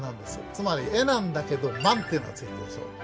つまり絵なんだけど「漫」っていうのが付いてるでしょ？